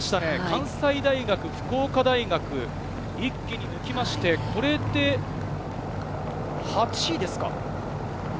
関西大学、福岡大学、一気に抜きまして、これで８位ですか？